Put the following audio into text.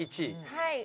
はい。